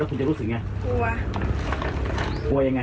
อ่ะตอนนี้คุณรู้สึกยังไง